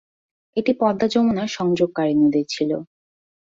এটি পদ্মা-যমুনার সংযোগকারী নদী ছিল।